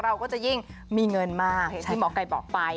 เราก็จะยิ่งมีเงินมากอย่างที่หมอไก่บอกไป